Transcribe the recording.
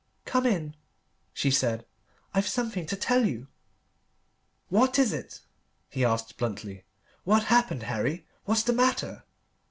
"Come in," she said; "I've something to tell you." "What is it?" he asked bluntly. "What's happened, Harry? What's the matter?"